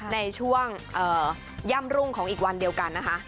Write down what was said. ในช่วงย่ำรุ่งของอีกวันเดียวกันนะคะ